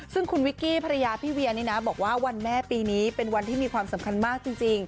ซึ่งคุณวิกกี้ภรรยาพี่เวียนี่นะบอกว่าวันแม่ปีนี้เป็นวันที่มีความสำคัญมากจริง